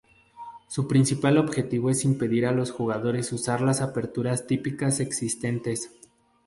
Su principal objetivo es impedir a los jugadores usar las aperturas típicas existentes.